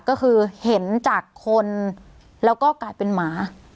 ก็คือเห็นจากคนแล้วก็กลายเป็นหมา